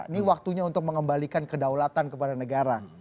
ini waktunya untuk mengembalikan kedaulatan kepada negara